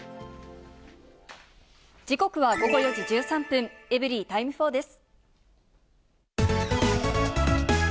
時刻は午後４時１３分、エブリィタイム４です。